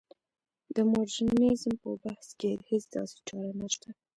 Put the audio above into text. د مډرنیزم په بحث کې هېڅ داسې چاره نشته.